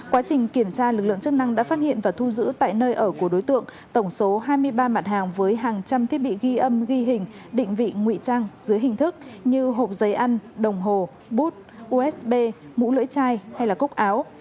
quá trình kiểm tra lực lượng chức năng đã phát hiện và thu giữ tại nơi ở của đối tượng tổng số hai mươi ba mặt hàng với hàng trăm thiết bị ghi âm ghi hình định vị ngụy trang dưới hình thức như hộp giấy ăn đồng hồ bút usb mũ lưỡi chai hay là cúc áo